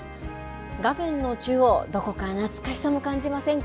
画面の中央、どこか懐かしさも感じませんか？